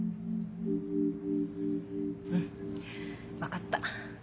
うん分かった。